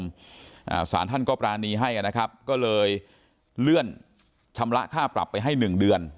อ่าสารท่านก็ปรานีให้อ่ะนะครับก็เลยเลื่อนชำระค่าปรับไปให้หนึ่งเดือน